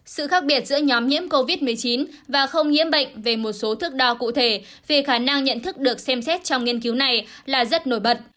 sự khác biệt giữa nhóm nhiễm covid một mươi chín và không nhiễm bệnh về một số thước đo cụ thể về khả năng nhận thức được xem xét trong nghiên cứu này là rất nổi bật